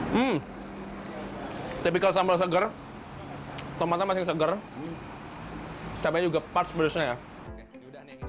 hmm typical sambal segar tomatnya masih segar cabainya juga parts beresnya ya